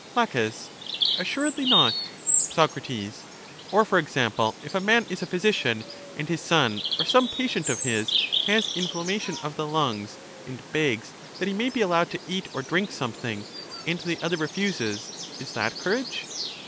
La. Assuredly not. Soc. Or, for example, if a man is a physician, and his son, or some patient of his, has inflammation of the lungs, and begs that he may be allowed to eat or drink something, and the other refuses ; is that courage